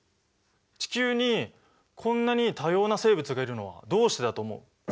地球にこんなに多様な生物がいるのはどうしてだと思う？